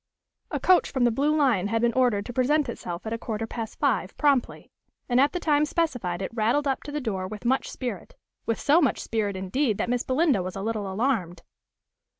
A coach from the Blue Lion had been ordered to present itself at a quarter past five, promptly; and at the time specified it rattled up to the door with much spirit, with so much spirit, indeed, that Miss Belinda was a little alarmed.